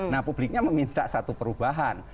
nah publiknya meminta satu perubahan